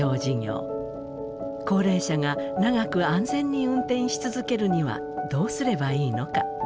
高齢者が長く安全に運転し続けるにはどうすればいいのか。